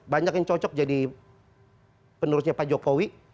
banyak yang cocok jadi penerusnya pak jokowi